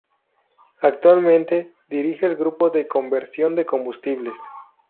Actualmente dirige el grupo de Conversión de Combustibles.